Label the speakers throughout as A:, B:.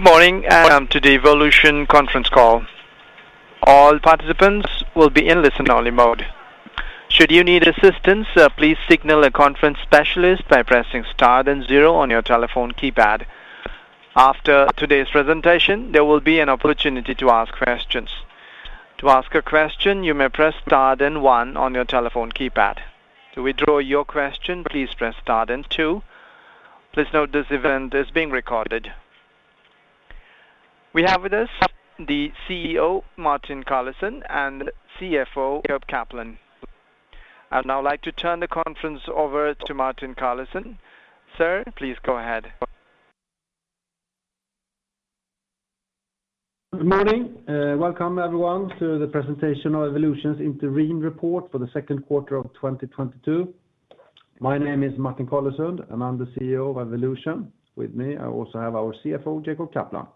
A: Good morning and welcome to the Evolution conference call. All participants will be in listen-only mode. Should you need assistance, please signal a conference specialist by pressing star then zero on your telephone keypad. After today's presentation, there will be an opportunity to ask questions. To ask a question, you may press star then one on your telephone keypad. To withdraw your question, please press star then two. Please note this event is being recorded. We have with us the CEO, Martin Carlesund, and CFO, Jacob Kaplan. I'd now like to turn the conference over to Martin Carlesund. Sir, please go ahead.
B: Good morning. Welcome everyone to the presentation of Evolution's interim report for the second quarter of 2022. My name is Martin Carlesund, and I'm the CEO of Evolution. With me, I also have our CFO, Jacob Kaplan.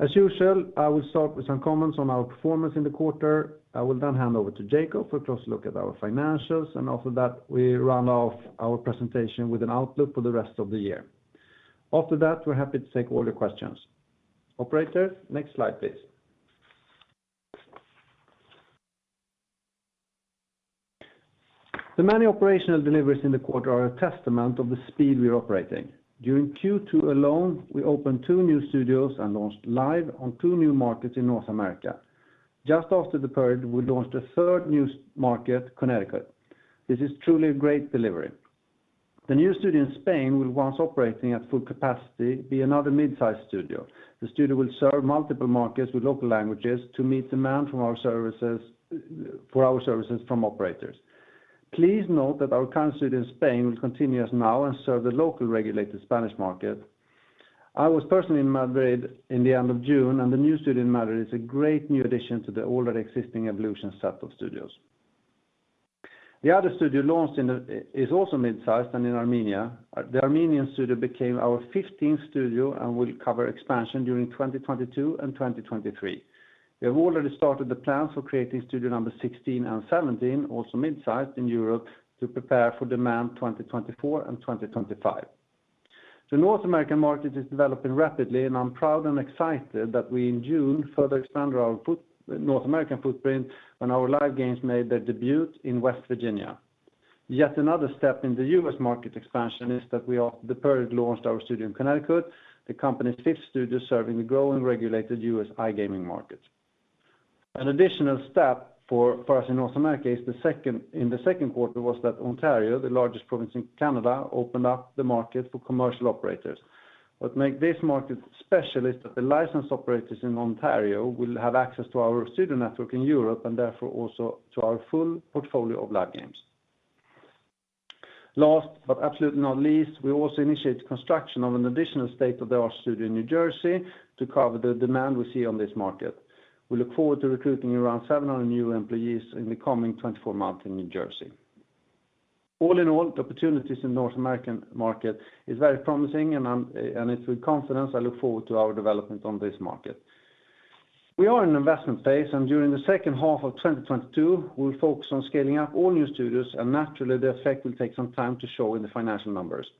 B: As usual, I will start with some comments on our performance in the quarter. I will then hand over to Jacob for a close look at our financials, and after that, we round off our presentation with an outlook for the rest of the year. After that, we're happy to take all your questions. Operator, next slide please. The many operational deliveries in the quarter are a testament of the speed we are operating. During Q2 alone, we opened two new studios and launched Live on two new markets in North America. Just after the period, we launched a third new U.S. market, Connecticut. This is truly a great delivery. The new studio in Spain will, once operating at full capacity, be another mid-sized studio. The studio will serve multiple markets with local languages to meet demand for our services from operators. Please note that our current studio in Spain will continue as now and serve the local regulated Spanish market. I was personally in Madrid at the end of June, and the new studio in Madrid is a great new addition to the already existing Evolution set of studios. The other studio launched is also mid-sized and in Armenia. The Armenian studio became our 15th studio and will cover expansion during 2022 and 2023. We have already started the plans for creating studio number 16 and 17, also mid-sized in Europe, to prepare for demand 2024 and 2025. The North American market is developing rapidly, and I'm proud and excited that we in June further expanded our North American footprint when our live games made their debut in West Virginia. Yet another step in the U.S. market expansion is that in the period we launched our studio in Connecticut, the company's fifth studio serving the growing regulated U.S. iGaming market. An additional step for us in North America is that in the second quarter Ontario, the largest province in Canada, opened up the market for commercial operators. What makes this market special is that the licensed operators in Ontario will have access to our studio network in Europe and therefore also to our full portfolio of live games. Last, but absolutely not least, we also initiate the construction of an additional state-of-the-art studio in New Jersey to cover the demand we see on this market. We look forward to recruiting around 700 new employees in the coming 24 months in New Jersey. All in all, the opportunities in North American market is very promising and it's with confidence I look forward to our development on this market. We are in an investment phase, and during the second half of 2022, we'll focus on scaling up all new studios. Naturally, the effect will take some time to show in the financial numbers.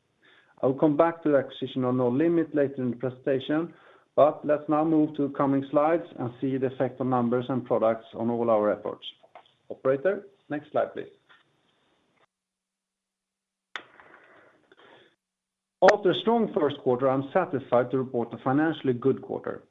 B: I will come back to the acquisition of Nolimit City later in the presentation, but let's now move to the coming slides and see the effect on numbers and products on all our efforts. Operator, next slide please. After a strong first quarter, I'm satisfied to report a financially good quarter.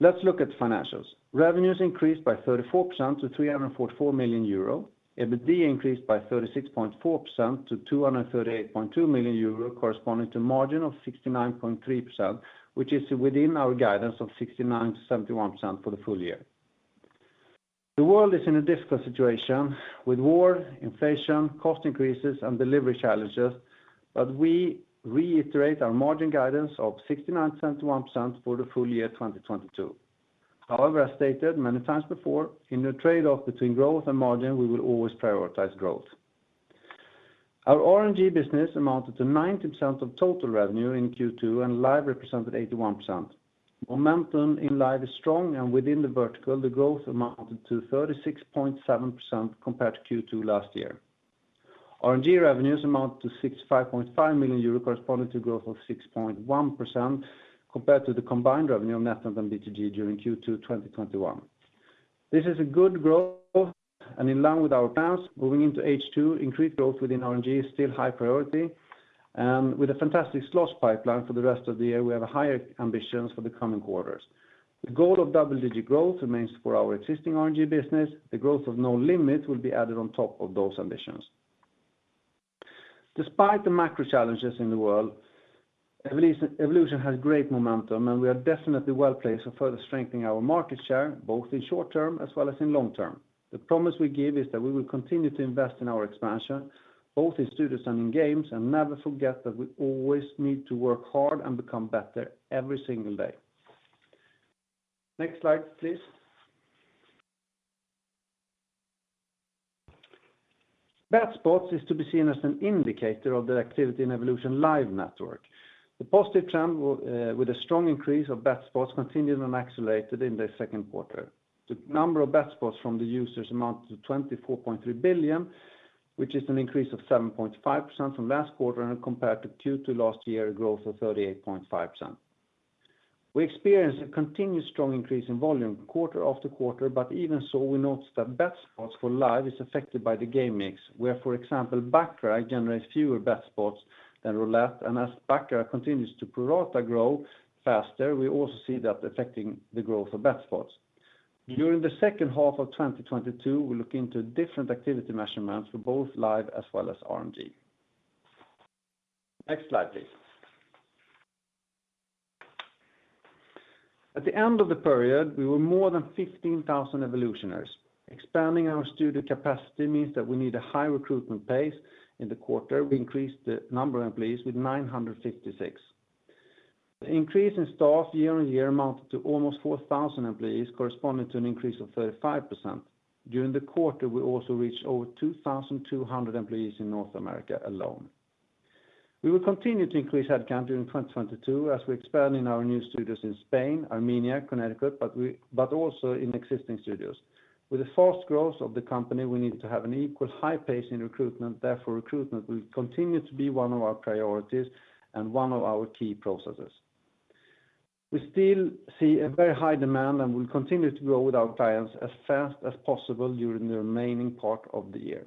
B: Let's look at the financials. Revenues increased by 34% to 344 million euro. EBITDA increased by 36.4% to 238.2 million euro, corresponding to margin of 69.3%, which is within our guidance of 69%-71% for the full year. The world is in a difficult situation with war, inflation, cost increases, and delivery challenges, but we reiterate our margin guidance of 69%-71% for the full year 2022. However, as stated many times before, in a trade-off between growth and margin, we will always prioritize growth. Our RNG business amounted to 19% of total revenue in Q2, and Live represented 81%. Momentum in Live is strong, and within the vertical, the growth amounted to 36.7% compared to Q2 last year. RNG revenues amount to 65.5 million euros, corresponding to growth of 6.1% compared to the combined revenue of NetEnt and BTG during Q2 2021. This is a good growth and in line with our plans. Moving into H2, increased growth within RNG is still high priority, and with a fantastic slots pipeline for the rest of the year, we have higher ambitions for the coming quarters. The goal of double-digit growth remains for our existing RNG business. The growth of Nolimit City will be added on top of those ambitions. Despite the macro challenges in the world, Evolution has great momentum, and we are definitely well-placed for further strengthening our market share, both in short-term as well as in long-term. The promise we give is that we will continue to invest in our expansion, both in studios and in games, and never forget that we always need to work hard and become better every single day. Next slide, please. Bet spots is to be seen as an indicator of the activity in Evolution Live network. The positive trend with a strong increase of bet spots continued and accelerated in the second quarter. The number of bet spots from the users amounted to 24.3 billion, which is an increase of 7.5% from last quarter and, compared to Q2 last year, growth of 38.5%. We experienced a continued strong increase in volume quarter after quarter, but even so, we noticed that bet spots for Live is affected by the game mix, where, for example, Baccarat generates fewer bet spots than Roulette. As Baccarat continues to pro rata grow faster, we also see that affecting the growth of bet spots. During the second half of 2022, we look into different activity measurements for both Live as well as RNG. Next slide, please. At the end of the period, we were more than 15,000 Evolutioners. Expanding our studio capacity means that we need a high recruitment pace. In the quarter, we increased the number of employees with 956. The increase in staff year-on-year amounted to almost 4,000 employees, corresponding to an increase of 35%. During the quarter, we also reached over 2,200 employees in North America alone. We will continue to increase headcount during 2022 as we expand in our new studios in Spain, Armenia, Connecticut, but also in existing studios. With the fast growth of the company, we need to have an equal high pace in recruitment. Therefore, recruitment will continue to be one of our priorities and one of our key processes. We still see a very high demand, and we'll continue to grow with our clients as fast as possible during the remaining part of the year.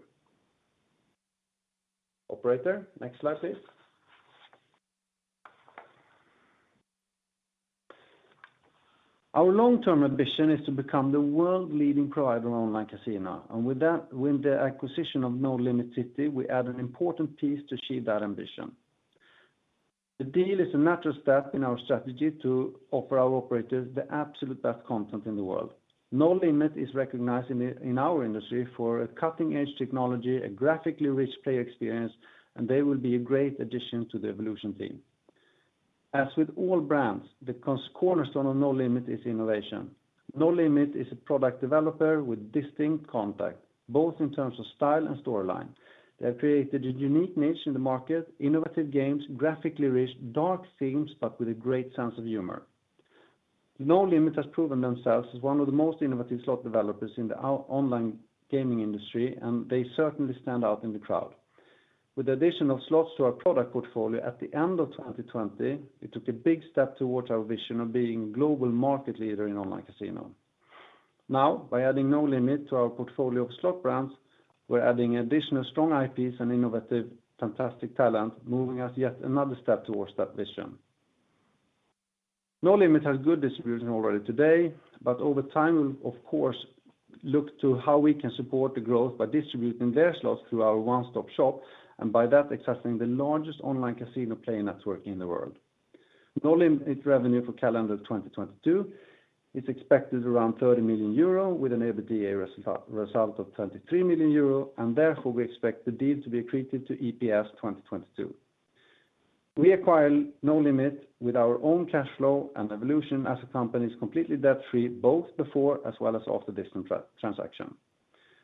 B: Operator, next slide, please. Our long-term ambition is to become the world-leading provider of online casino. With the acquisition of Nolimit City, we add an important piece to achieve that ambition. The deal is a natural step in our strategy to offer our operators the absolute best content in the world. Nolimit City is recognized in our industry for a cutting-edge technology, a graphically rich player experience, and they will be a great addition to the Evolution team. As with all brands, the cornerstone of Nolimit City is innovation. Nolimit City is a product developer with distinct content, both in terms of style and storyline. They have created a unique niche in the market, innovative games, graphically rich, dark themes, but with a great sense of humor. Nolimit City has proven themselves as one of the most innovative slot developers in the online gaming industry, and they certainly stand out in the crowd. With the addition of slots to our product portfolio at the end of 2020, we took a big step towards our vision of being global market leader in online casino. Now, by adding Nolimit City to our portfolio of slot brands, we're adding additional strong IPs and innovative, fantastic talent, moving us yet another step towards that vision. Nolimit City has good distribution already today, but over time, we'll, of course, look to how we can support the growth by distributing their slots through our One Stop Shop and by that accessing the largest online casino player network in the world. Nolimit City revenue for calendar 2022 is expected around 30 million euro with an EBITDA result of 23 million euro, and therefore, we expect the deal to be accretive to EPS 2022. We acquire Nolimit City with our own cash flow, and Evolution as a company is completely debt-free, both before as well as after this transaction.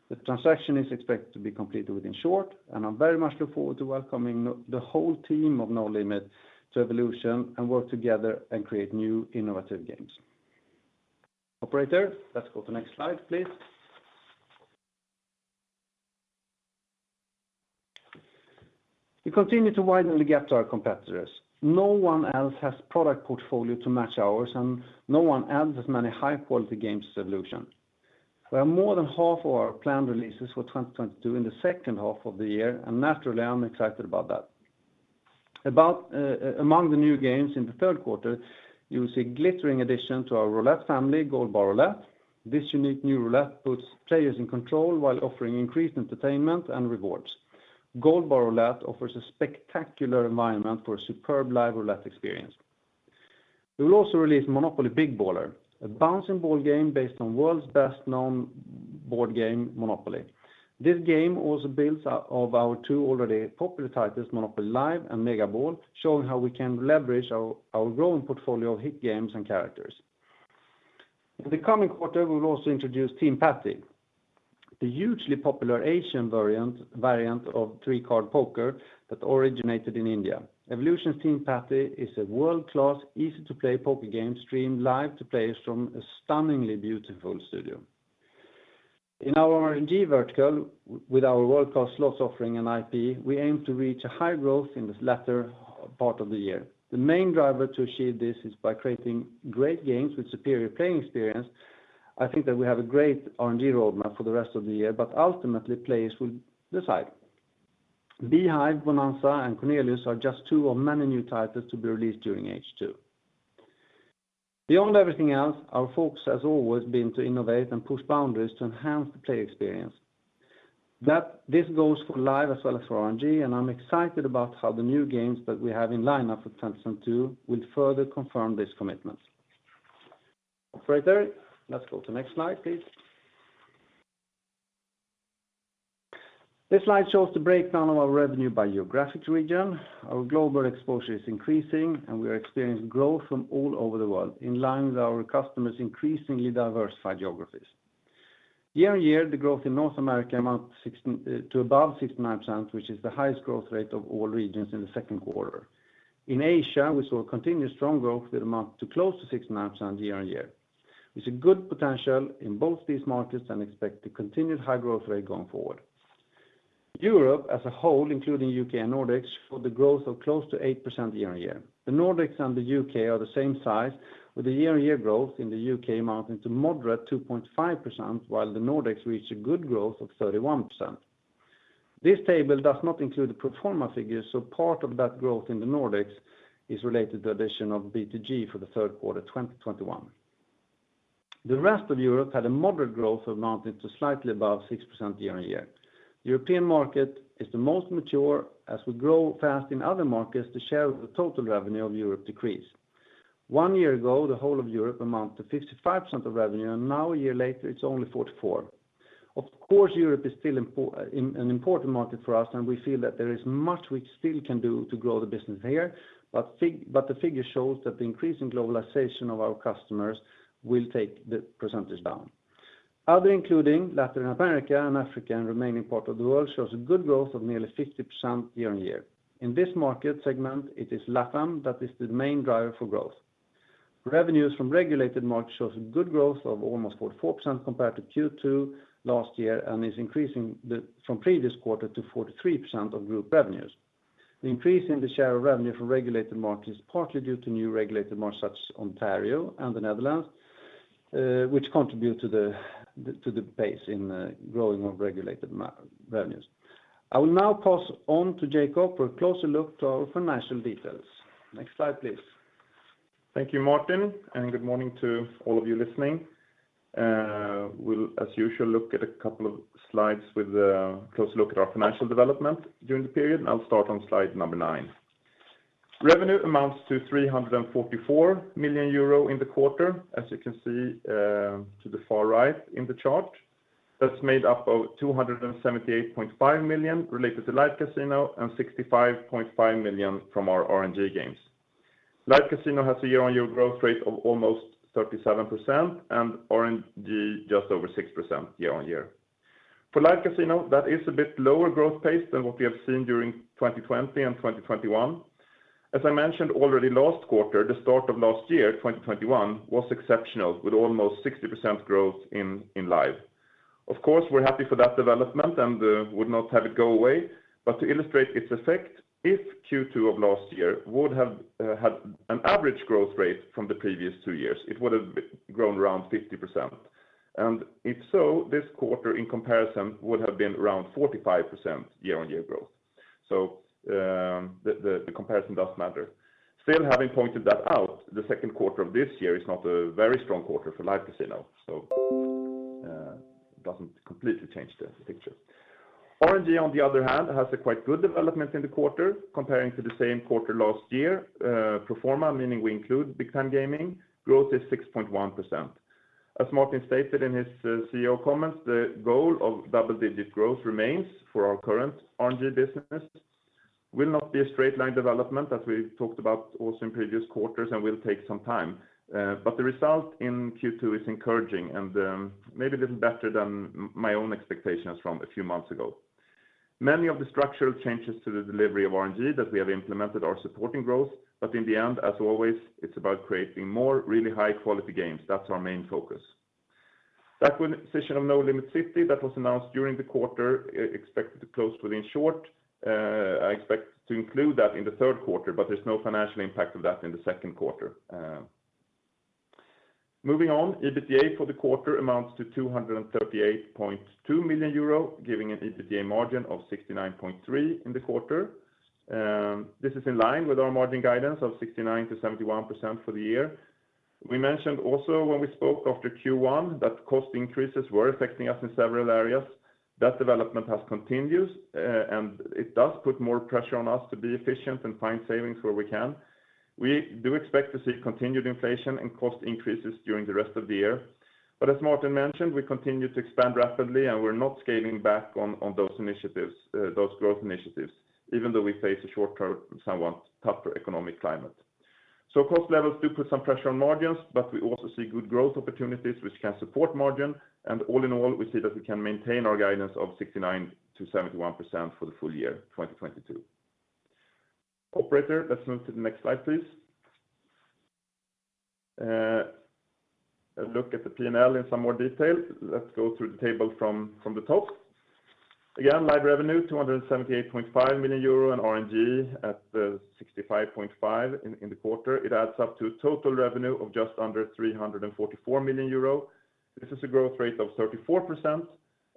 B: The transaction is expected to be completed shortly, and I very much look forward to welcoming the whole team of Nolimit City to Evolution and work together and create new innovative games. Operator, let's go to next slide, please. We continue to widen the gap to our competitors. No one else has product portfolio to match ours, and no one adds as many high-quality games to Evolution. We have more than half of our planned releases for 2022 in the second half of the year, and naturally, I'm excited about that. Among the new games in the third quarter, you'll see glittering addition to our Roulette family, Gold Bar Roulette. This unique new Roulette puts players in control while offering increased entertainment and rewards. Gold Bar Roulette offers a spectacular environment for a superb live Roulette experience. We will also release MONOPOLY Big Baller, a bouncing ball game based on world's best-known board game, Monopoly. This game also builds on our two already popular titles, Monopoly Live and Mega Ball, showing how we can leverage our growing portfolio of hit games and characters. In the coming quarter, we will also introduce Teen Patti, the hugely popular Asian variant of three-card poker that originated in India. Evolution's Teen Patti is a world-class easy-to-play poker game streamed live to players from a stunningly beautiful studio. In our RNG vertical with our world-class slots offering and IP, we aim to reach a high growth in this latter part of the year. The main driver to achieve this is by creating great games with superior playing experience. I think that we have a great RNG roadmap for the rest of the year, but ultimately players will decide. Bee Hive Bonanza and Cornelius are just two of many new titles to be released during H2. Beyond everything else, our focus has always been to innovate and push boundaries to enhance the player experience. This goes for Live as well as for RNG, and I'm excited about how the new games that we have in lineup for 2022 will further confirm this commitment. Operator, let's go to next slide, please. This slide shows the breakdown of our revenue by geographic region. Our global exposure is increasing, and we are experiencing growth from all over the world in line with our customers' increasingly diversified geographies. Year-on-year, the growth in North America amounted to above 69%, which is the highest growth rate of all regions in the second quarter. In Asia, we saw continued strong growth that amounted to close to 69% year-on-year. We see good potential in both these markets and expect the continued high growth rate going forward. Europe as a whole, including U.K. And Nordics, saw the growth of close to 8% year-on-year. The Nordics and the U.K. Are the same size with the year-on-year growth in the U.K. amounting to moderate 2.5%, while the Nordics reached a good growth of 31%. This table does not include the pro forma figures, so part of that growth in the Nordics is related to addition of BTG for the third quarter 2021. The rest of Europe had a moderate growth amounting to slightly above 6% year-on-year. European market is the most mature. As we grow fast in other markets, the share of the total revenue of Europe decrease. One year ago, the whole of Europe amount to 55% of revenue, and now a year later, it's only 44%. Of course, Europe is still an important market for us, and we feel that there is much we still can do to grow the business here, but the figure shows that the increase in globalization of our customers will take the percentage down. Other including Latin America and Africa and remaining part of the world shows a good growth of nearly 50% year-on-year. In this market segment, it is LatAm that is the main driver for growth. Revenues from regulated markets shows a good growth of almost 44% compared to Q2 last year, and is increasing from previous quarter to 43% of group revenues. The increase in the share of revenue from regulated markets is partly due to new regulated markets such as Ontario and the Netherlands, which contribute to the base in growing of regulated revenues. I will now pass on to Jacob for a closer look to our financial details. Next slide, please.
C: Thank you, Martin, and good morning to all of you listening. We'll, as usual, look at a couple of slides with a closer look at our financial development during the period. I'll start on slide number nine. Revenue amounts to 344 million euro in the quarter, as you can see, to the far right in the chart. That's made up of 278.5 million related to Live Casino and 65.5 million from our RNG games. Live Casino has a year-on-year growth rate of almost 37% and RNG just over 6% year-on-year. For Live Casino, that is a bit lower growth pace than what we have seen during 2020 and 2021. I mentioned already last quarter, the start of last year, 2021, was exceptional, with almost 60% growth in Live. Of course, we're happy for that development and would not have it go away, but to illustrate its effect, if Q2 of last year would have had an average growth rate from the previous two years, it would have grown around 50%. If so, this quarter in comparison would have been around 45% year-on-year growth. The comparison does matter. Still having pointed that out, the second quarter of this year is not a very strong quarter for Live Casino, so it doesn't completely change the picture. RNG, on the other hand, has a quite good development in the quarter comparing to the same quarter last year. Pro forma, meaning we include Big Time Gaming, growth is 6.1%. As Martin stated in his CEO comments, the goal of double-digit growth remains for our current RNG business. Will not be a straight line development as we talked about also in previous quarters and will take some time. But the result in Q2 is encouraging and, maybe a little better than my own expectations from a few months ago. Many of the structural changes to the delivery of RNG that we have implemented are supporting growth, but in the end, as always, it's about creating more really high-quality games. That's our main focus. That acquisition of Nolimit City that was announced during the quarter I expect to close shortly. I expect to include that in the third quarter, but there's no financial impact of that in the second quarter. Moving on, EBITDA for the quarter amounts to 238.2 million euro, giving an EBITDA margin of 69.3% in the quarter. This is in line with our margin guidance of 69%-71% for the year. We mentioned also when we spoke after Q1 that cost increases were affecting us in several areas. That development has continued, and it does put more pressure on us to be efficient and find savings where we can. We do expect to see continued inflation and cost increases during the rest of the year. As Martin mentioned, we continue to expand rapidly, and we're not scaling back on those initiatives, those growth initiatives, even though we face a short-term, somewhat tougher economic climate. Cost levels do put some pressure on margins, but we also see good growth opportunities which can support margin. All in all, we see that we can maintain our guidance of 69%-71% for the full year 2022. Operator, let's move to the next slide, please. A look at the P&L in some more detail. Let's go through the table from the top. Again, Live revenue, 278.5 million euro in RNG at 65.5 million in the quarter. It adds up to total revenue of just under 344 million euro. This is a growth rate of 34%,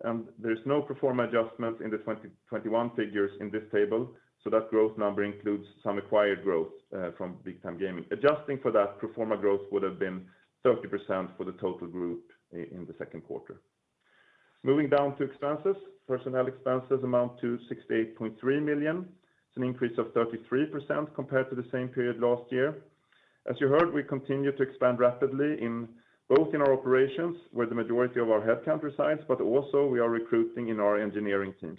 C: and there is no pro forma adjustment in the 2021 figures in this table, so that growth number includes some acquired growth from Big Time Gaming. Adjusting for that, pro forma growth would have been 30% for the total group in the second quarter. Moving down to expenses. Personnel expenses amount to 68.3 million. It's an increase of 33% compared to the same period last year. As you heard, we continue to expand rapidly in both our operations, where the majority of our head count resides, but also we are recruiting in our engineering teams.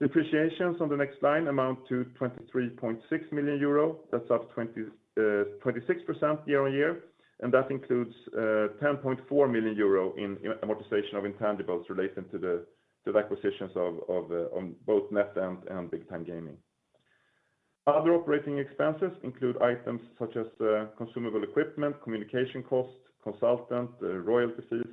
C: Depreciations on the next line amount to 23.6 million euro. That's up 26% year-on-year, and that includes 10.4 million euro in amortization of intangibles relating to the acquisitions of both NetEnt and Big Time Gaming. Other operating expenses include items such as consumable equipment, communication costs, consultant royalties.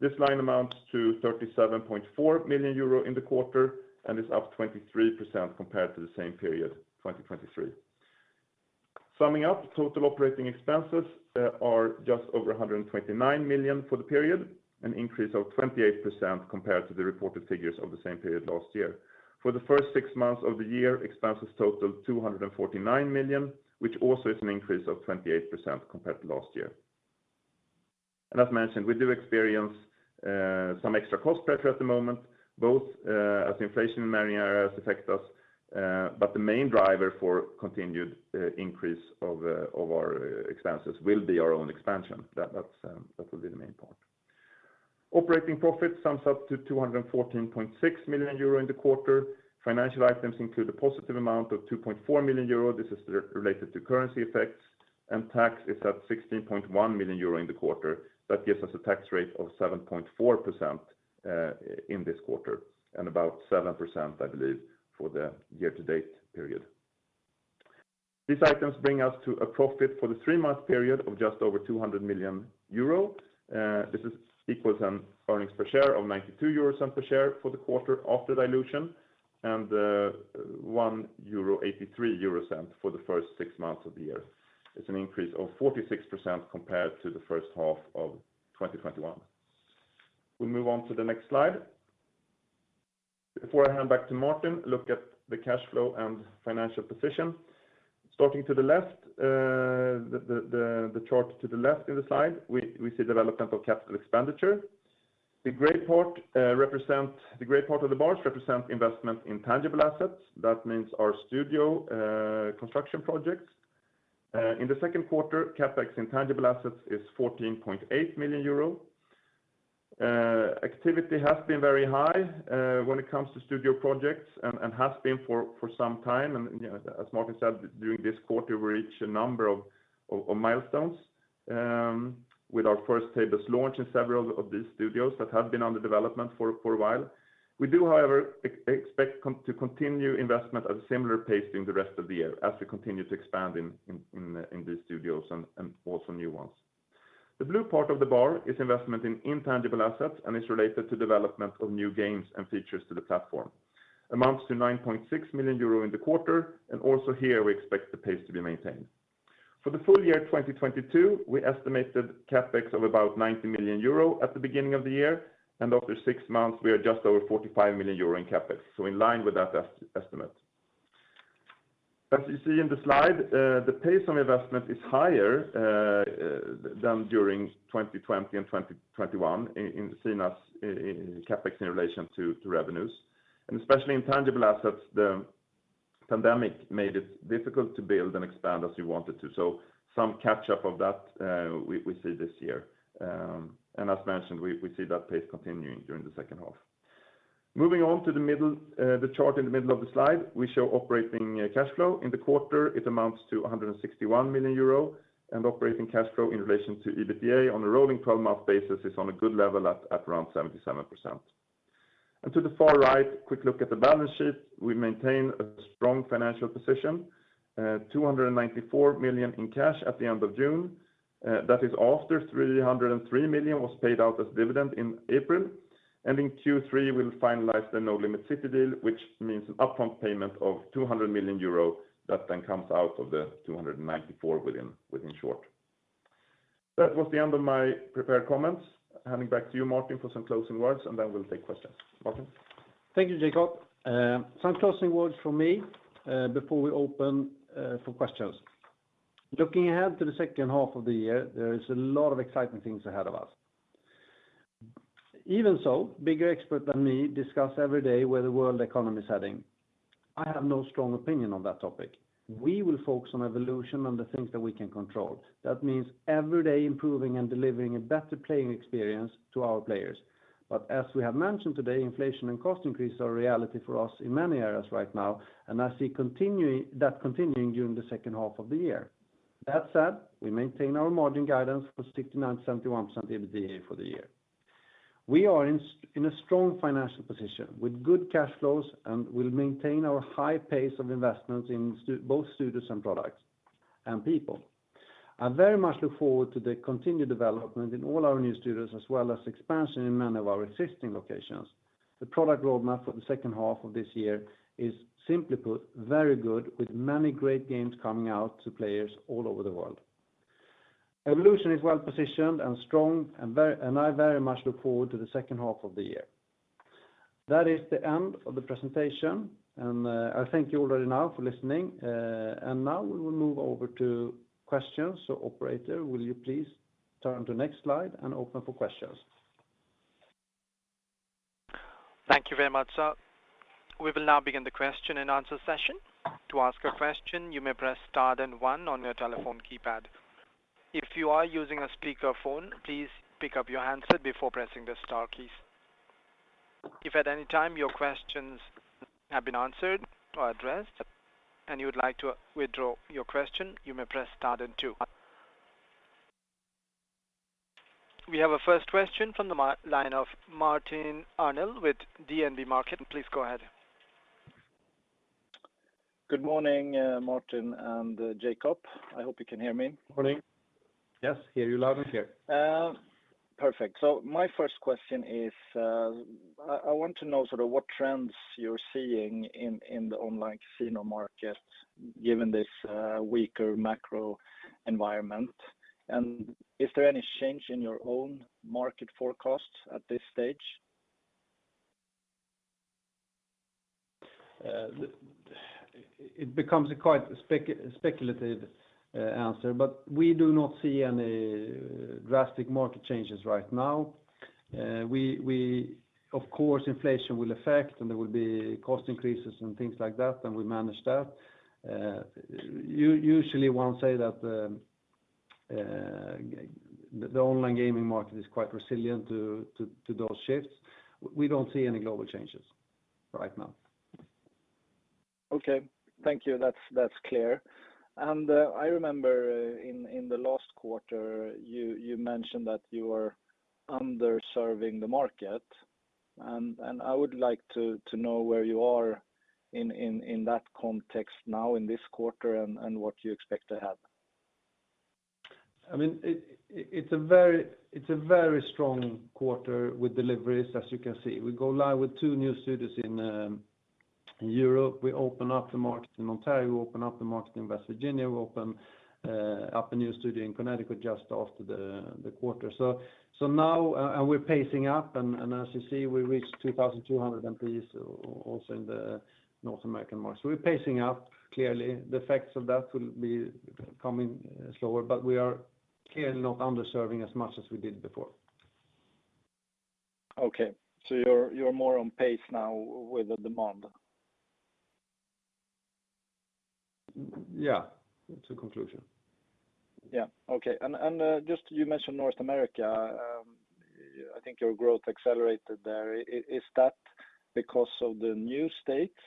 C: This line amounts to 37.4 million euro in the quarter and is up 23% compared to the same period, 2021. Summing up, total operating expenses are just over 129 million EUR for the period, an increase of 28% compared to the reported figures of the same period last year. For the first six months of the year, expenses totaled 249 million, which also is an increase of 28% compared to last year. As mentioned, we do experience some extra cost pressure at the moment, both as inflation in many areas affect us, but the main driver for continued increase of our expenses will be our own expansion. That will be the main part. Operating profit sums up to 214.6 million euro in the quarter. Financial items include a positive amount of 2.4 million euro. This is related to currency effects, and tax is at 16.1 million euro in the quarter. That gives us a tax rate of 7.4% in this quarter, and about 7%, I believe, for the year-to-date period. These items bring us to a profit for the three-month period of just over 200 million euro. This equals an earnings per share of 0.92 per share for the quarter after dilution and 1.83 euro for the first six months of the year. It's an increase of 46% compared to the first half of 2021. We move on to the next slide. Before I hand back to Martin, look at the cash flow and financial position. Starting to the left, the chart to the left of the slide, we see development of capital expenditure. The gray part of the bars represent investment in tangible assets. That means our studio construction projects. In the second quarter, CapEx in tangible assets is 14.8 million euros. Activity has been very high when it comes to studio projects and has been for some time. You know, as Martin said, during this quarter, we reach a number of milestones with our first tables launch in several of these studios that have been under development for a while. We do, however, expect to continue investment at a similar pace during the rest of the year as we continue to expand in these studios and also new ones. The blue part of the bar is investment in intangible assets and is related to development of new games and features to the platform. Amounts to 9.6 million euro in the quarter, and also here we expect the pace to be maintained. For the full year 2022, we estimated CapEx of about 90 million euro at the beginning of the year, and after six months we are just over 45 million euro in CapEx, so in line with that estimate. As you see in the slide, the pace on investment is higher than during 2020 and 2021 as in CapEx in relation to revenues. Especially in tangible assets, the pandemic made it difficult to build and expand as we wanted to. Some catch-up of that we see this year. As mentioned, we see that pace continuing during the second half. Moving on to the chart in the middle of the slide, we show operating cash flow. In the quarter, it amounts to 161 million euro, and operating cash flow in relation to EBITDA on a rolling 12-month basis is on a good level at around 77%. To the far right, quick look at the balance sheet. We maintain a strong financial position, 294 million in cash at the end of June. That is after 303 million was paid out as dividend in April. In Q3, we'll finalize the Nolimit City deal, which means an upfront payment of 200 million euro that then comes out of the 294 million within short time. That was the end of my prepared comments. Handing back to you, Martin, for some closing words, and then we'll take questions. Martin?
B: Thank you, Jacob. Some closing words from me before we open for questions. Looking ahead to the second half of the year, there is a lot of exciting things ahead of us. Even so, bigger experts than me discuss every day where the world economy is heading. I have no strong opinion on that topic. We will focus on Evolution and the things that we can control. That means every day improving and delivering a better playing experience to our players. But as we have mentioned today, inflation and cost increases are a reality for us in many areas right now, and I see that continuing during the second half of the year. That said, we maintain our margin guidance for 69%-71% EBITDA for the year. We are in a strong financial position with good cash flows and will maintain our high pace of investments in both studios and products and people. I very much look forward to the continued development in all our new studios, as well as expansion in many of our existing locations. The product roadmap for the second half of this year is simply put very good, with many great games coming out to players all over the world. Evolution is well-positioned and strong, and I very much look forward to the second half of the year. That is the end of the presentation, and I thank you already now for listening. Now we will move over to questions. Operator, will you please turn to next slide and open for questions?
A: Thank you very much, sir. We will now begin the question-and-answer session. To ask a question, you may press star then one on your telephone keypad. If you are using a speakerphone, please pick up your handset before pressing the star keys. If at any time your questions have been answered or addressed and you would like to withdraw your question, you may press star then two. We have a first question from the line of Martin Arnell with DNB Markets. Please go ahead.
D: Good morning, Martin and Jacob. I hope you can hear me.
B: Morning. Yes. Hear you loud and clear.
D: Perfect. My first question is, I want to know sort of what trends you're seeing in the online casino market, given this weaker macro environment. Is there any change in your own market forecast at this stage?
B: It becomes a quite speculative answer, but we do not see any drastic market changes right now. Of course, inflation will affect, and there will be cost increases and things like that, and we manage that. Usually one say that the online gaming market is quite resilient to those shifts. We don't see any global changes right now.
D: Okay. Thank you. That's clear. I remember in the last quarter, you mentioned that you were underserving the market. I would like to know where you are in that context now in this quarter and what you expect to have.
B: I mean, it's a very strong quarter with deliveries, as you can see. We go live with two new studios in Europe. We open up the market in Ontario, we open up the market in West Virginia. We open up a new studio in Connecticut just after the quarter. Now, we're pacing up. As you see, we reached 2,200 employees also in the North American market. We're pacing up clearly. The effects of that will be coming slower, but we are clearly not underserving as much as we did before.
D: Okay. You're more on pace now with the demand?
B: Yeah. It's a conclusion.
D: Yeah. Okay. Just you mentioned North America. I think your growth accelerated there. Is that because of the new states,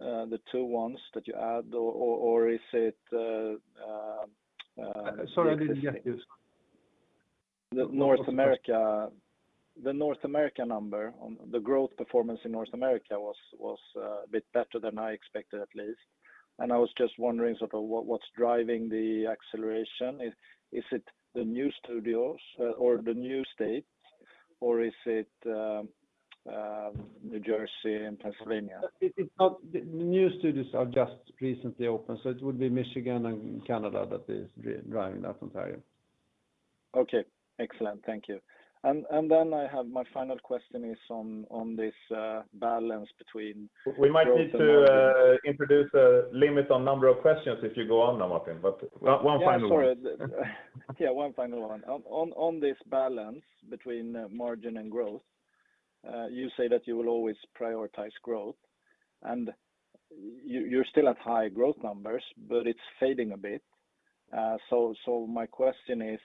D: the two ones that you add, or is it-
B: Sorry, I didn't get you.
D: The North America... The North America number on the growth performance in North America was a bit better than I expected, at least. I was just wondering sort of what's driving the acceleration. Is it the new studios, or the new states, or is it New Jersey and Pennsylvania?
B: It's not. The new studios are just recently opened, so it would be Michigan and Canada that is driving that, Ontario.
D: Okay. Excellent. Thank you. I have my final question is on this balance between-
B: We might need to introduce a limit on number of questions if you go on now, Martin, but one final one.
D: Yeah, sorry. Yeah, one final one. On this balance between margin and growth, you say that you will always prioritize growth, and you're still at high growth numbers, but it's fading a bit. So my question is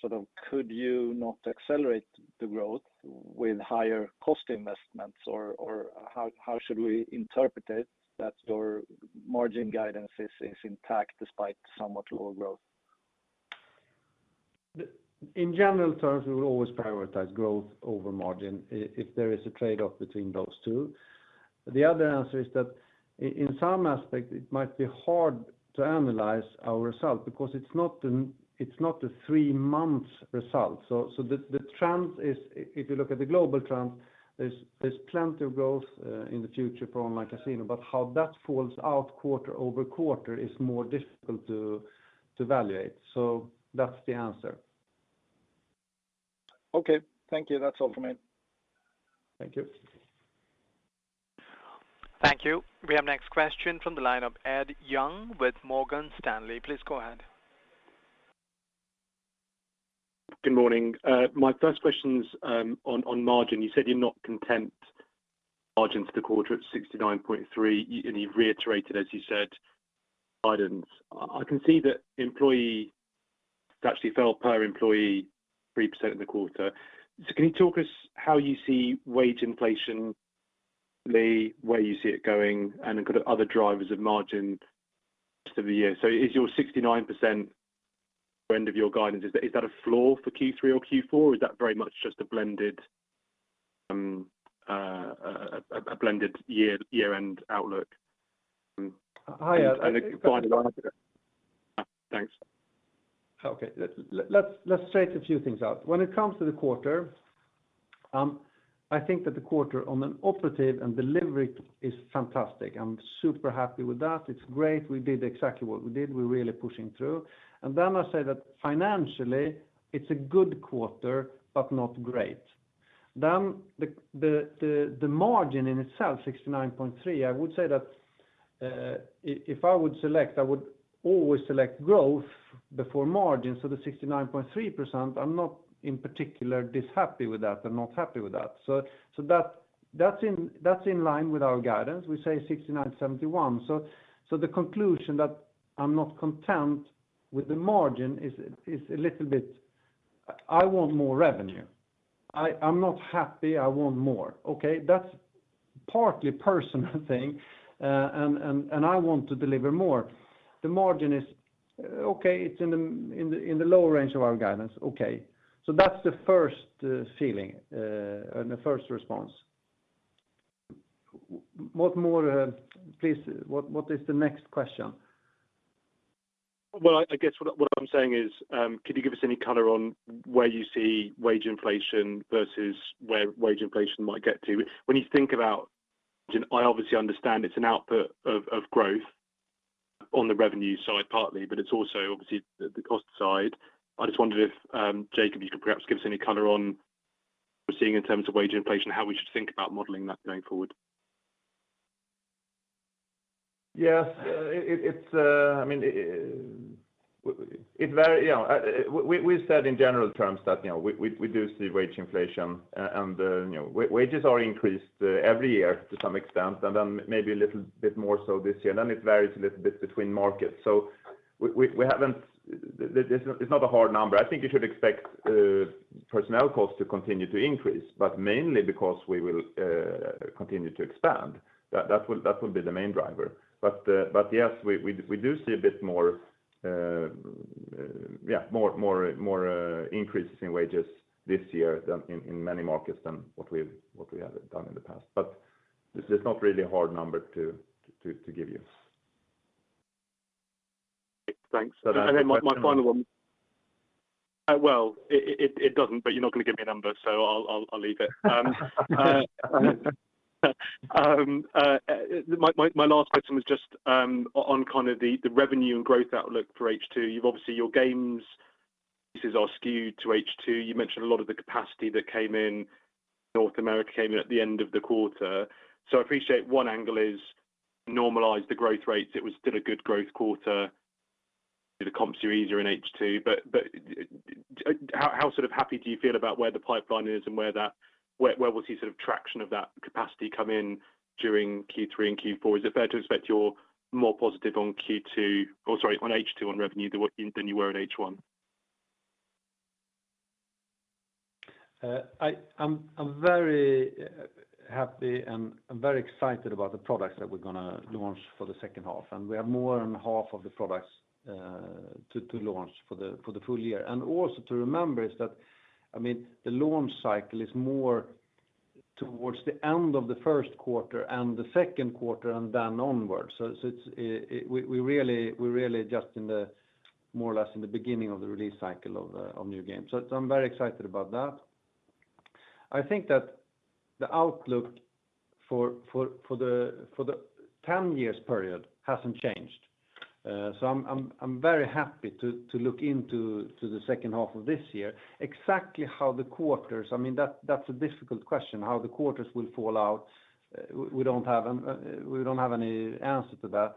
D: sort of could you not accelerate the growth with higher cost investments? Or how should we interpret it, that your margin guidance is intact despite somewhat lower growth?
B: In general terms, we will always prioritize growth over margin if there is a trade-off between those two. The other answer is that in some aspect, it might be hard to analyze our result because it's not the three-month result. The trend is, if you look at the global trend, there's plenty of growth in the future for online casino, but how that falls out quarter-over-quarter is more difficult to evaluate. That's the answer.
D: Okay. Thank you. That's all from me.
B: Thank you.
A: Thank you. We have next question from the line of Ed Young with Morgan Stanley. Please go ahead.
E: Good morning. My first question's on margin. You said you're not content with margin for the quarter at 69.3%, and you've reiterated, as you said, guidance. I can see that expenses actually fell per employee 3% in the quarter. Can you talk us through how you see wage inflation, where you see it going and kind of other drivers of margin rest of the year? Is your 69% end of your guidance a floor for Q3 or Q4, or is that very much just a blended year-end outlook?
B: Hi, Ed.
E: Finally... Thanks.
B: Okay. Let's straighten a few things out. When it comes to the quarter, I think that the quarter on an operational and delivery is fantastic. I'm super happy with that. It's great. We did exactly what we did. We're really pushing through. I say that financially, it's a good quarter, but not great. The margin in itself, 69.3%, I would say that, if I would select, I would always select growth before margin. So the 69.3%, I'm not particularly unhappy with that. I'm not happy with that. So that's in line with our guidance. We say 69%-71%. The conclusion that I'm not content with the margin is a little bit. I want more revenue. I'm not happy. I want more. Okay. That's partly personal thing, and I want to deliver more. The margin is okay, it's in the low range of our guidance. Okay. That's the first feeling, and the first response. What more, please, what is the next question?
E: Well, I guess what I'm saying is, could you give us any color on where you see wage inflation versus where wage inflation might get to? When you think about, I obviously understand it's an output of growth on the revenue side, partly, but it's also obviously the cost side. I just wondered if, Jacob, you could perhaps give us any color on seeing in terms of wage inflation, how we should think about modeling that going forward.
C: Yes. I mean, it varies—you know, we said in general terms that, you know, we do see wage inflation and, you know, wages are increased every year to some extent, and then maybe a little bit more so this year, and then it varies a little bit between markets. We haven't—this, it's not a hard number. I think you should expect personnel costs to continue to increase, but mainly because we will continue to expand. That will be the main driver. Yes, we do see a bit more, yeah, more increases in wages this year than in many markets than what we've done in the past. There's not really a hard number to give you.
E: Thanks. Then my final one. Well, it doesn't, but you're not going to give me a number, so I'll leave it. My last question was just on kind of the revenue and growth outlook for H2. You've obviously your games, this is all skewed to H2. You mentioned a lot of the capacity that came in North America came in at the end of the quarter. I appreciate one angle is to normalize the growth rates. It was still a good growth quarter. The comps are easier in H2. How sort of happy do you feel about where the pipeline is and where we'll see sort of traction of that capacity come in during Q3 and Q4? Is it fair to expect you're more positive on H2 on revenue than you were in H1?
B: I'm very happy and I'm very excited about the products that we're gonna launch for the second half, and we have more than half of the products to launch for the full year. Also to remember is that, I mean, the launch cycle is more towards the end of the first quarter and the second quarter and then onwards. We're really just in the more or less in the beginning of the release cycle of new games. I'm very excited about that. I think that the outlook for the ten years period hasn't changed. I'm very happy to look into the second half of this year exactly how the quarters will fall out. I mean, that's a difficult question, how the quarters will fall out. We don't have any answer to that.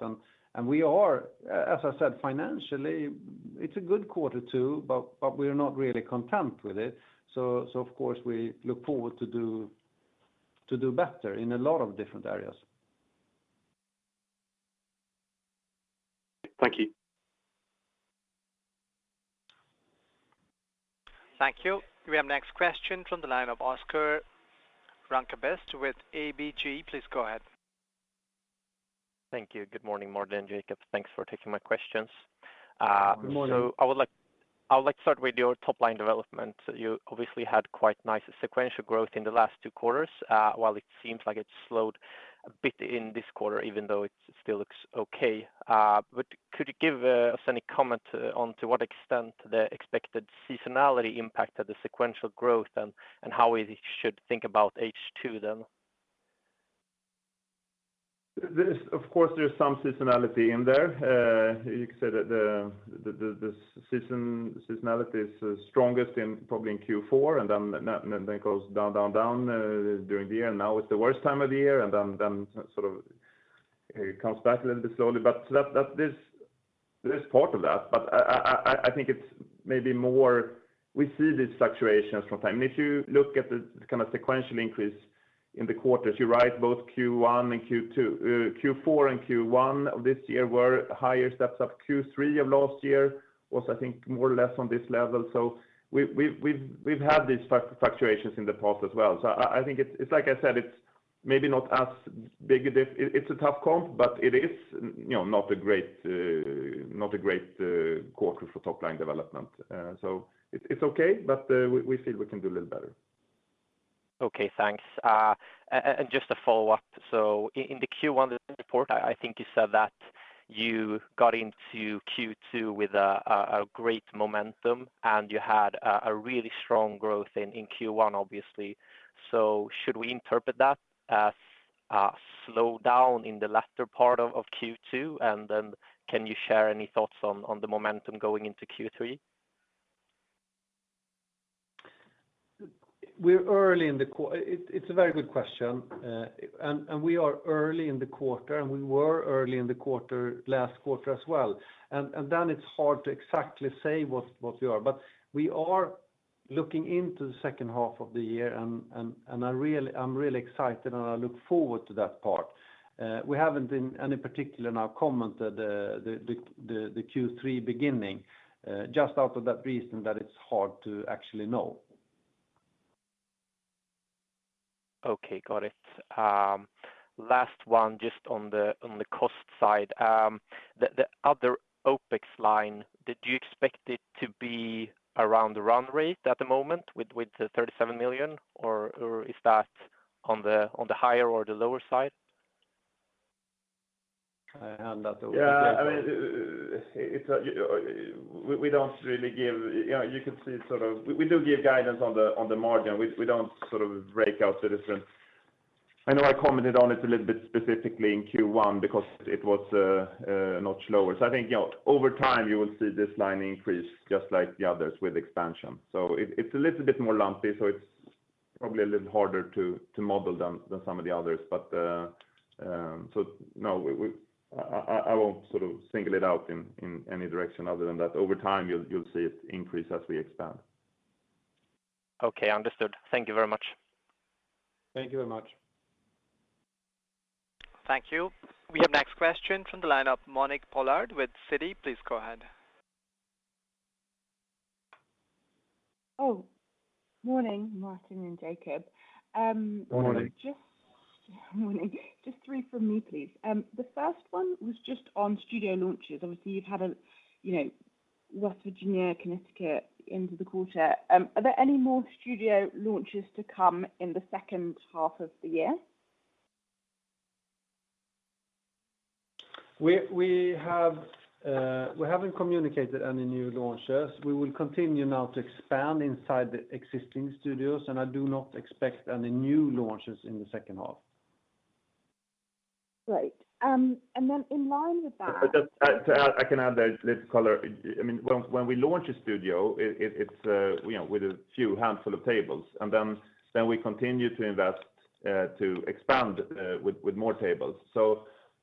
B: We are, as I said, financially, it's a good quarter too, but we are not really content with it. Of course, we look forward to do better in a lot of different areas.
E: Thank you.
A: Thank you. We have next question from the line of Oscar Rönnkvist with ABG. Please go ahead.
F: Thank you. Good morning, Martin and Jacob. Thanks for taking my questions.
B: Good morning.
F: I would like to start with your top-line development. You obviously had quite nice sequential growth in the last two quarters, while it seems like it slowed a bit in this quarter, even though it still looks okay. Could you give us any comment on to what extent the expected seasonality impacted the sequential growth and how we should think about H2 then?
C: This, of course, there's some seasonality in there. You could say that the seasonality is strongest probably in Q4, and then it goes down during the year, and now it's the worst time of the year, and then sort of it comes back a little bit slowly. That is, there is part of that. I think it's maybe more we see these fluctuations from time. If you look at the kind of sequential increase in the quarters, you're right, both Q4 and Q1 of this year were higher steps of Q3 of last year was, I think, more or less on this level. We've had these fluctuations in the past as well. I think it's like I said, it's maybe not as big a it's a tough comp, but it is, you know, not a great quarter for top-line development. It's okay, but we feel we can do a little better.
F: Okay. Thanks. Just a follow-up. In the Q1 report, I think you said that you got into Q2 with a great momentum, and you had a really strong growth in Q1, obviously. Should we interpret that as a slowdown in the latter part of Q2, and then can you share any thoughts on the momentum going into Q3?
B: It's a very good question, and we are early in the quarter, and we were early in the quarter last quarter as well. It's hard to exactly say what we are, but we are looking into the second half of the year and I'm really excited, and I look forward to that part. We haven't in any particular now commented on the Q3 beginning, just for that reason that it's hard to actually know.
F: Okay, got it. Last one just on the cost side. The other OpEx line, did you expect it to be around the run rate at the moment with 37 million or is that on the higher or the lower side?
B: I hand that over to you, Jacob.
C: Yeah. I mean, we don't really give. You know, you can see it. We do give guidance on the margin. We don't sort of break out the difference. I know I commented on it a little bit specifically in Q1 because it was a notch lower. I think, you know, over time you will see this line increase just like the others with expansion. It's a little bit more lumpy, so it's probably a little harder to model than some of the others. No, I won't sort of single it out in any direction other than that. Over time, you'll see it increase as we expand.
F: Okay, understood. Thank you very much.
B: Thank you very much.
A: Thank you. We have next question from the line of Monique Pollard with Citi. Please go ahead.
G: Oh, morning, Martin and Jacob.
B: Morning.
G: Morning. Just three from me, please. The first one was just on studio launches. Obviously, you've had a, you know, West Virginia, Connecticut into the quarter. Are there any more studio launches to come in the second half of the year?
B: We haven't communicated any new launches. We will continue now to expand inside the existing studios, and I do not expect any new launches in the second half.
G: Right. In line with that—
C: Just to add, I can add a little color. I mean, when we launch a studio, it's with a few handful of tables, and then we continue to invest to expand with more tables.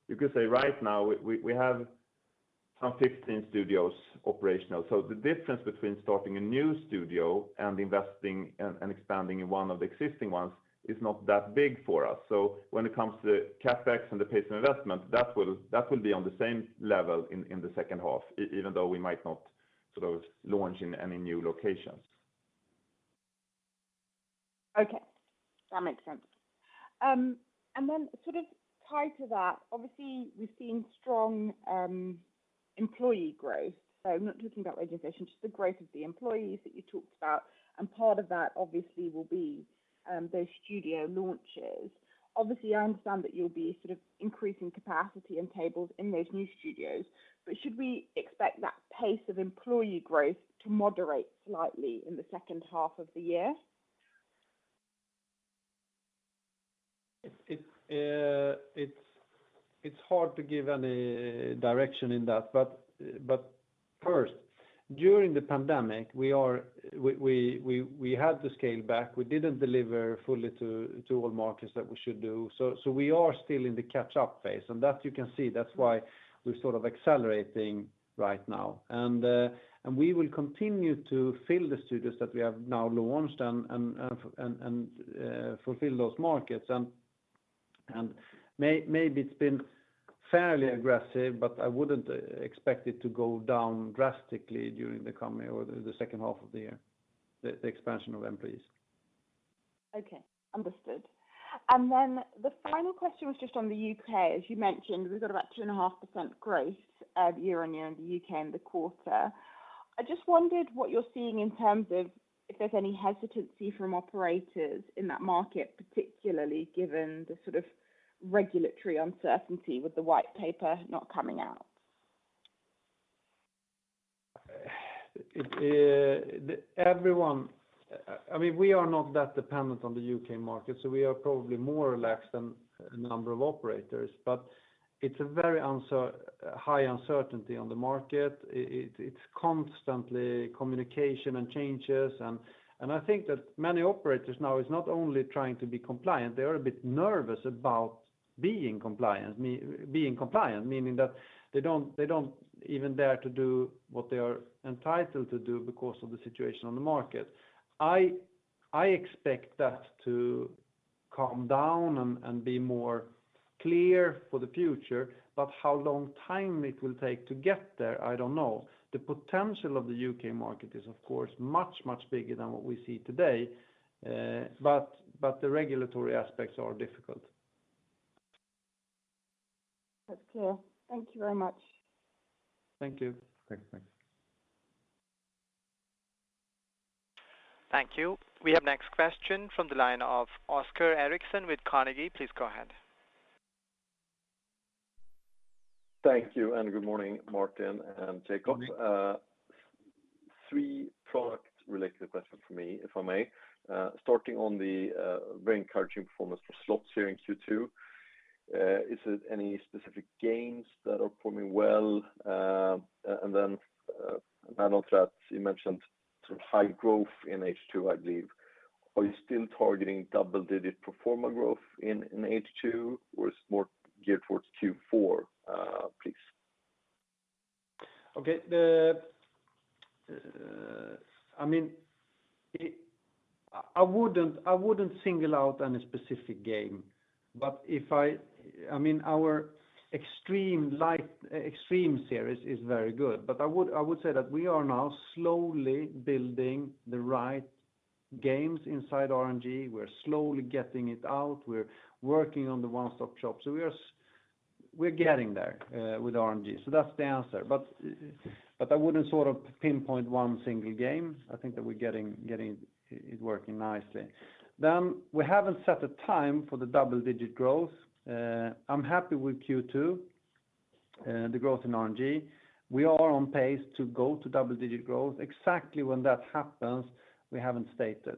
C: You could say right now we have some 15 studios operational. The difference between starting a new studio and investing and expanding in one of the existing ones is not that big for us. When it comes to the CapEx and the pace of investment, that will be on the same level in the second half even though we might not sort of launch in any new locations.
G: Okay. That makes sense. Sort of tied to that, obviously we're seeing strong employee growth. I'm not talking about registration, just the growth of the employees that you talked about, and part of that obviously will be those studio launches. Obviously, I understand that you'll be sort of increasing capacity and tables in those new studios, but should we expect that pace of employee growth to moderate slightly in the second half of the year?
B: It's hard to give any direction in that. First, during the pandemic, we had to scale back. We didn't deliver fully to all markets that we should do. We are still in the catch-up phase, and that you can see. That's why we're sort of accelerating right now. We will continue to fill the studios that we have now launched and fulfill those markets. Maybe it's been fairly aggressive, but I wouldn't expect it to go down drastically during the coming or the second half of the year, the expansion of employees.
G: Okay. Understood. Then the final question was just on the U.K. As you mentioned, we've got about 2.5% growth year-over-year in the U.K. in the quarter. I just wondered what you're seeing in terms of if there's any hesitancy from operators in that market, particularly given the sort of regulatory uncertainty with the white paper not coming out?
B: I mean, we are not that dependent on the U.K. market, so we are probably more relaxed than a number of operators. It's a very high uncertainty on the market. It's constant communication and changes, and I think that many operators now is not only trying to be compliant, they are a bit nervous about being compliant, meaning that they don't even dare to do what they are entitled to do because of the situation on the market. I expect that to calm down and be more clear for the future. How long time it will take to get there, I don't know. The potential of the U.K. market is of course much bigger than what we see today. The regulatory aspects are difficult.
G: That's clear. Thank you very much.
B: Thank you.
C: Thanks. Thanks.
A: Thank you. We have next question from the line of Oscar Erixon with Carnegie. Please go ahead.
H: Thank you, and good morning, Martin and Jacob.
B: Morning.
H: Three product-related questions for me, if I may. Starting on the very encouraging performance for slots here in Q2. Is it any specific games that are performing well? And then, NetEnt, you mentioned sort of high growth in H2, I believe. Are you still targeting double-digit pro forma growth in H2, or is it more geared towards Q4, please?
B: Okay. I mean, I wouldn't single out any specific game. I mean, our XXXtreme Series is very good. I would say that we are now slowly building the right games inside RNG. We're slowly getting it out. We're working on the One Stop Shop. We are getting there with RNG. That's the answer. I wouldn't sort of pinpoint one single game. I think that we're getting it working nicely. We haven't set a time for the double-digit growth. I'm happy with Q2, the growth in RNG. We are on pace to go to double-digit growth. Exactly when that happens, we haven't stated.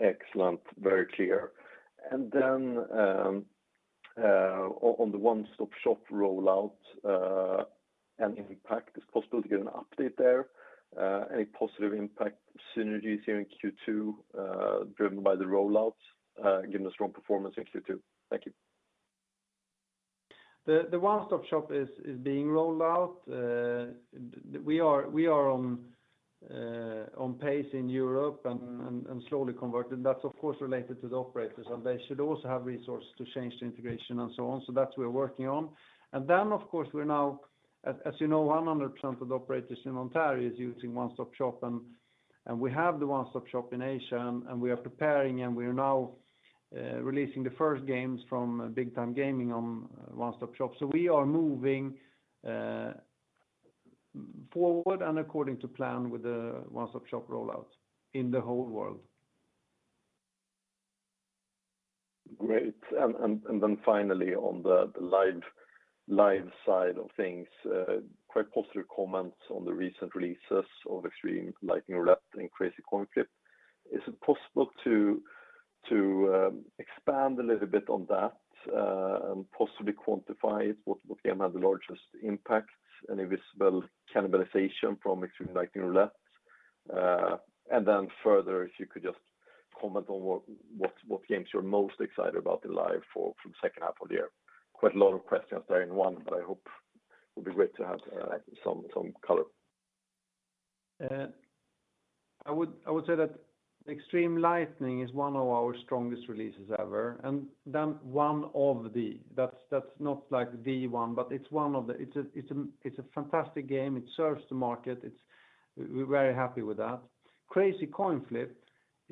H: Excellent. Very clear. On the One Stop Shop rollout and impact, is it possible to get an update there? Any positive impact synergies here in Q2, driven by the rollouts, given the strong performance in Q2? Thank you.
B: The One Stop Shop is being rolled out. We are on pace in Europe and slowly converting. That's of course related to the operators, and they should also have resources to change the integration and so on. That we are working on. Then of course, we're now, as you know, 100% of the operators in Ontario is using One Stop Shop. We have the One Stop Shop in Asia, and we are preparing, and we are now releasing the first games from Big Time Gaming on One Stop Shop. We are moving forward and according to plan with the One Stop Shop rollout in the whole world.
H: Great. Then finally on the Live side of things, quite positive comments on the recent releases of XXXtreme Lightning Roulette and Crazy Coin Flip. Is it possible to expand a little bit on that, and possibly quantify it? What game had the largest impact? Any visible cannibalization from XXXtreme Lightning Roulette? Then further, if you could just comment on what games you're most excited about the Live from second half of the year. Quite a lot of questions there in one, but I hope it would be great to have some color.
B: I would say that XXXtreme Lightning Roulette is one of our strongest releases ever. That's not like the one, but it's one of them. It's a fantastic game. It serves the market. We're very happy with that. Crazy Coin Flip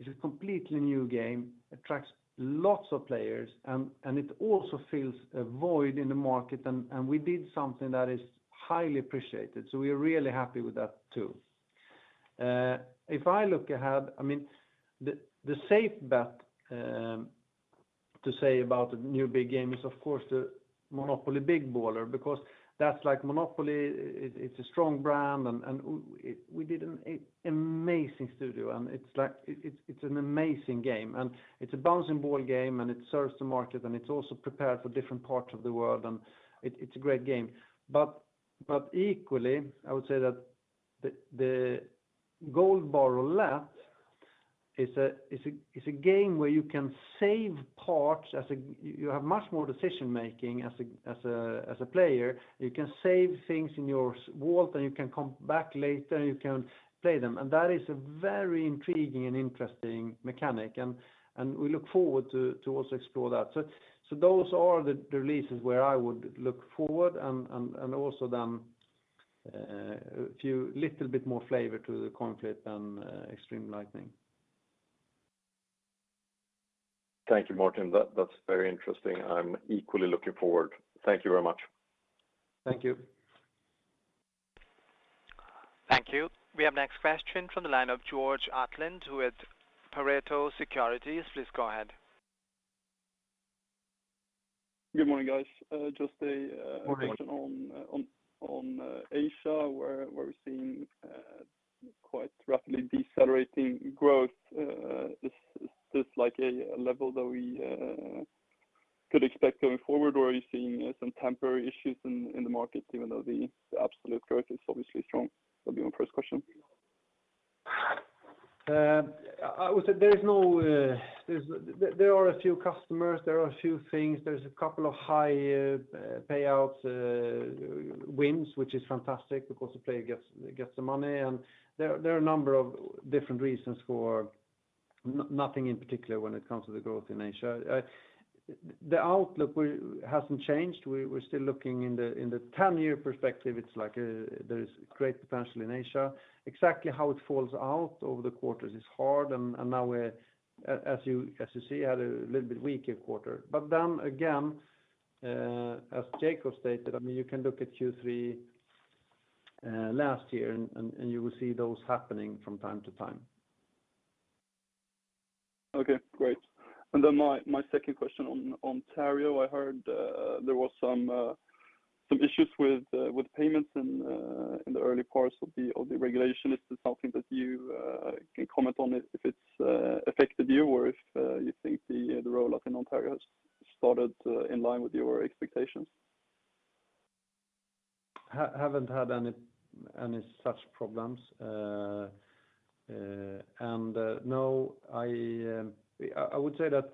B: is a completely new game, attracts lots of players and it also fills a void in the market and we did something that is highly appreciated. We are really happy with that too. If I look ahead, I mean, the safe bet to say about the new big game is of course the MONOPOLY Big Baller, because that's like Monopoly. It's a strong brand and we did an amazing studio and it's like, it's an amazing game. It's a bouncing ball game, and it serves the market, and it's also prepared for different parts of the world, and it's a great game. But equally, I would say that the Gold Bar Roulette is a game where you can save parts. You have much more decision-making as a player. You can save things in your safe vault, and you can come back later, and you can play them. That is a very intriguing and interesting mechanic, and we look forward to also explore that. Those are the releases where I would look forward, and also then a few little bit more flavor to the Coin Flip and XXXtreme Lightning.
H: Thank you, Martin. That's very interesting. I'm equally looking forward. Thank you very much.
B: Thank you.
A: Thank you. We have next question from the line of Georg Attling with Pareto Securities. Please go ahead.
I: Good morning, guys.
B: Morning.
I: Just a question on Asia, where we're seeing quite rapidly decelerating growth. Is this like a level that we could expect going forward? Or are you seeing some temporary issues in the market even though the absolute growth is obviously strong? That'd be my first question.
B: I would say there are a few customers, there are a few things. There's a couple of high payouts, wins, which is fantastic because the player gets the money. There are a number of different reasons for nothing in particular when it comes to the growth in Asia. The outlook hasn't changed. We're still looking in the ten-year perspective, it's like, there is great potential in Asia. Exactly how it falls out over the quarters is hard. Now we're, as you see, had a little bit weaker quarter. Then again, as Jacob stated, I mean, you can look at Q3 last year and you will see those happening from time to time.
I: Okay, great. My second question on Ontario. I heard there was some issues with payments in the early parts of the regulation. Is this something that you can comment on if it's affected you or if you think the rollout in Ontario has started in line with your expectations?
B: Haven't had any such problems. No, I would say that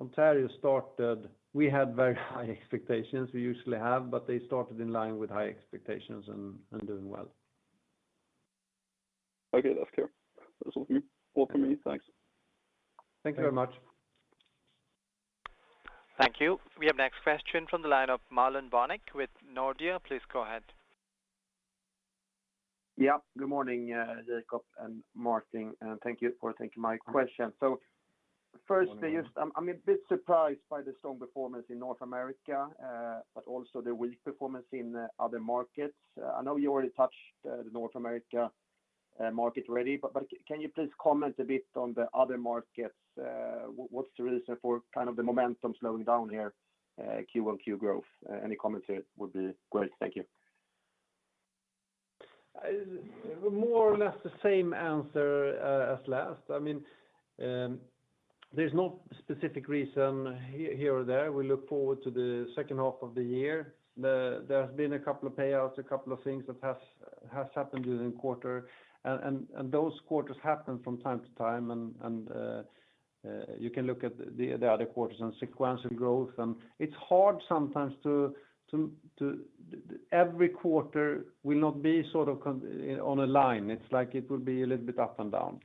B: Ontario started. We had very high expectations. We usually have, they started in line with high expectations and doing well.
I: Okay, that's clear. That's all from me. Thanks.
B: Thank you very much.
A: Thank you. We have next question from the line of Marlon Värnik with Nordea. Please go ahead.
J: Yeah. Good morning, Jacob and Martin, and thank you for taking my question. Firstly, just I'm a bit surprised by the strong performance in North America, but also the weak performance in the other markets. I know you already touched the North America market already, but can you please comment a bit on the other markets? What's the reason for kind of the momentum slowing down here, QoQ growth? Any comments here would be great. Thank you.
B: More or less the same answer as last. I mean, there's no specific reason here or there. We look forward to the second half of the year. There has been a couple of payouts, a couple of things that has happened during the quarter. Those quarters happen from time to time. You can look at the other quarters and sequential growth. It's hard sometimes. Every quarter will not be sort of on a line. It's like it will be a little bit up and down.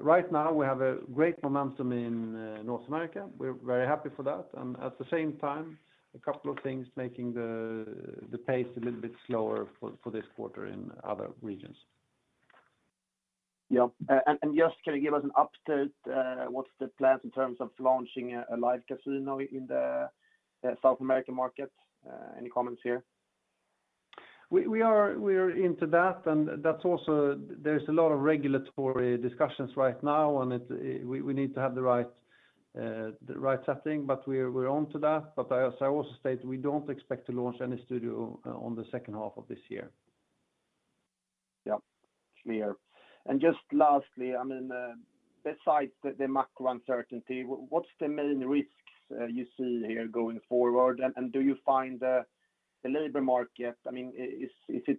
B: Right now, we have a great momentum in North America. We're very happy for that. At the same time, a couple of things making the pace a little bit slower for this quarter in other regions.
J: Yeah. Just can you give us an update, what's the plans in terms of launching a Live Casino in the South American market? Any comments here?
B: We are into that, and that's also there's a lot of regulatory discussions right now, and we need to have the right setting, but we're onto that. As I also stated, we don't expect to launch any studio on the second half of this year.
J: Yeah. Clear. Just lastly, I mean, besides the macro uncertainty, what's the main risks you see here going forward? Do you find the labor market, I mean, is it...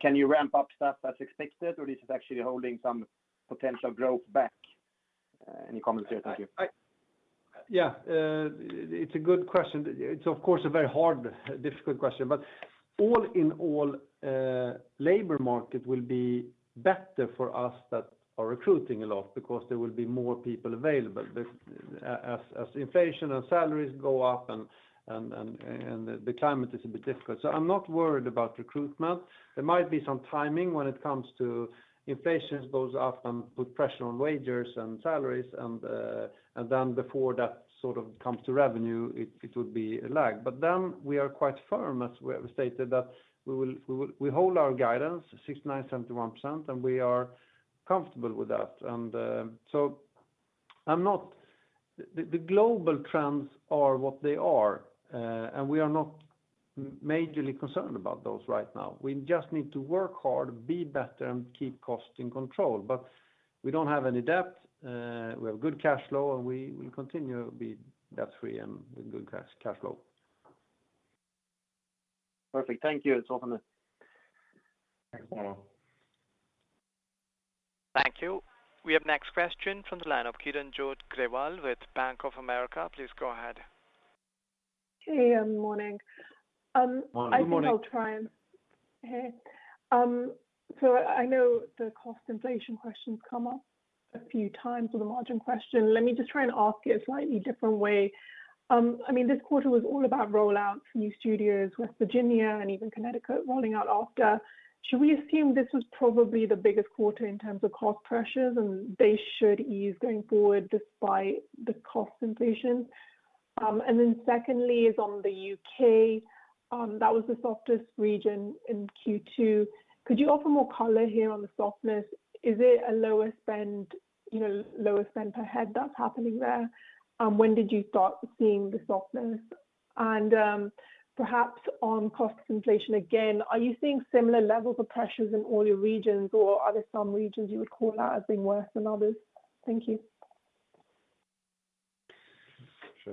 J: Can you ramp up staff as expected, or is it actually holding some potential growth back? Any comments here? Thank you.
B: It's a good question. It's of course a very hard, difficult question. All in all, labor market will be better for us that are recruiting a lot because there will be more people available. As inflation and salaries go up and the climate is a bit difficult. I'm not worried about recruitment. There might be some timing when it comes to inflation goes up and put pressure on wages and salaries and then before that sort of comes to revenue, it would be lagged. Then we are quite firm, as we have stated that we hold our guidance 69%-71%, and we are comfortable with that. I'm not... The global trends are what they are, and we are not majorly concerned about those right now. We just need to work hard, be better, and keep costs in control. We don't have any debt, we have good cash flow, and we will continue to be debt-free and with good cash flow.
J: Perfect. Thank you. That's all from me.
C: Thanks, Marlon.
A: Thank you. We have next question from the line of Kiranjot Grewal with Bank of America. Please go ahead.
K: Hey, morning.
B: Morning.
C: Good morning.
K: Hey. So I know the cost inflation question's come up a few times with the margin question. Let me just try and ask it a slightly different way. I mean, this quarter was all about roll out new studios, West Virginia and even Connecticut rolling out after. Should we assume this was probably the biggest quarter in terms of cost pressures, and they should ease going forward despite the cost inflation? Secondly is on the U.K., that was the softest region in Q2. Could you offer more color here on the softness? Is it a lower spend, you know, lower spend per head that's happening there? When did you start seeing the softness? Perhaps on cost inflation again, are you seeing similar levels of pressures in all your regions, or are there some regions you would call out as being worse than others? Thank you.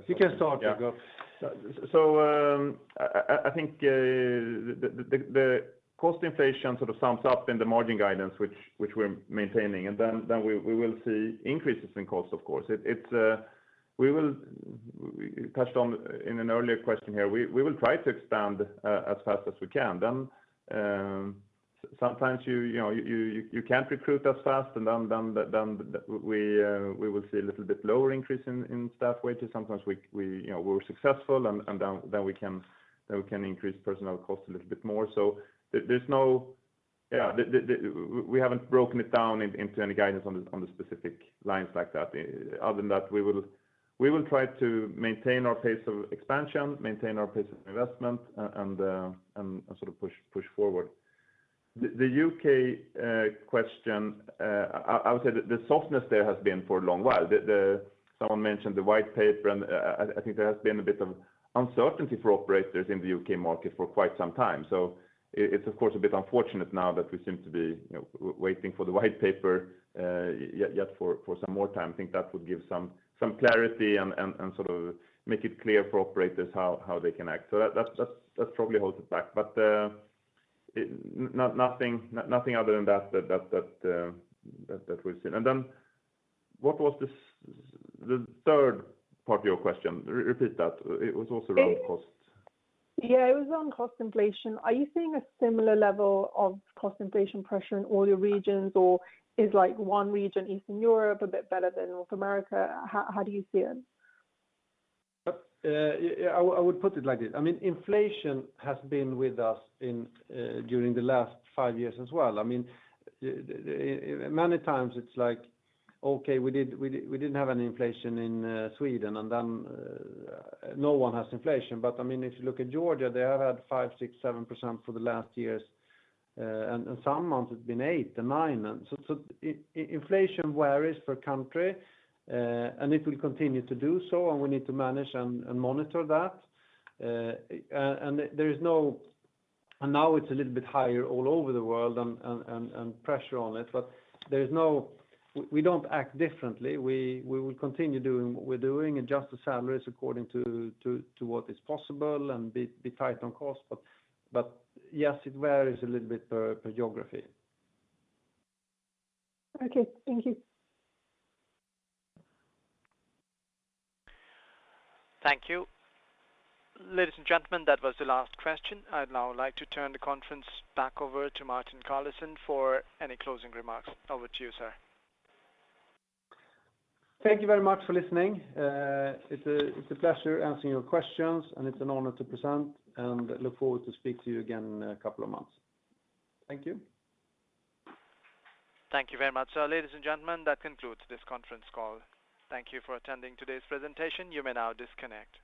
B: You can start, Jacob.
C: I think the cost inflation sort of sums up in the margin guidance which we're maintaining, and then we will see increases in costs, of course. Touched on in an earlier question here, we will try to expand as fast as we can. sometimes you know you can't recruit as fast and then we will see a little bit lower increase in staff wages. Sometimes we you know we're successful and then we can increase personnel costs a little bit more. We haven't broken it down into any guidance on the specific lines like that. Other than that, we will try to maintain our pace of expansion, maintain our pace of investment and sort of push forward. The U.K. question, I would say the softness there has been for a long while. Someone mentioned the white paper, and I think there has been a bit of uncertainty for operators in the U.K. market for quite some time. It's of course a bit unfortunate now that we seem to be, you know, waiting for the white paper yet for some more time. Think that would give some clarity and sort of make it clear for operators how they can act. That probably holds it back. Nothing other than that we've seen. Then what was the third part of your question? Repeat that. It was also around costs.
K: Yeah, it was on cost inflation. Are you seeing a similar level of cost inflation pressure in all your regions, or is like one region, Eastern Europe, a bit better than North America? How do you see it?
B: Yeah, I would put it like this. I mean, inflation has been with us during the last five years as well. I mean, many times it's like, okay, we didn't have any inflation in Sweden and then no one has inflation. I mean, if you look at Georgia, they have had 5%, 6%, 7% for the last years. Some months it's been 8% and 9%. Inflation varies by country and it will continue to do so, and we need to manage and monitor that. Now it's a little bit higher all over the world and pressure on it. We don't act differently. We will continue doing what we're doing, adjust the salaries according to what is possible and be tight on cost. Yes, it varies a little bit per geography.
K: Okay. Thank you.
A: Thank you. Ladies and gentlemen, that was the last question. I'd now like to turn the conference back over to Martin Carlesund for any closing remarks. Over to you, sir.
B: Thank you very much for listening. It's a pleasure answering your questions, and it's an honor to present and look forward to speak to you again in a couple of months. Thank you.
A: Thank you very much, sir. Ladies and gentlemen, that concludes this conference call. Thank you for attending today's presentation. You may now disconnect.